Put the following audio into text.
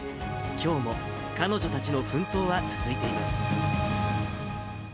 きょうも彼女たちの奮闘は続いています。